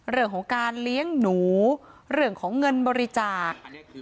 เรื่องของการเลี้ยงหนูเรื่องของเงินบริจาค